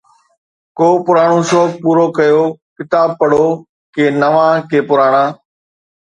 ڪو پراڻو شوق پورو ڪيو، ڪتاب پڙهو، ڪي نوان، ڪي پراڻا